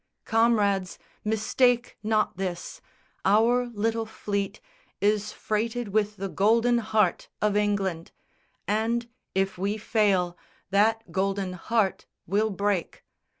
Comrades, mistake not this, our little fleet Is freighted with the golden heart of England, And, if we fail, that golden heart will break.